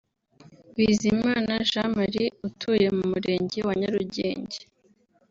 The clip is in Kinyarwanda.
Bizimana Jean Marie utuye mu Murenge wa Nyarugenge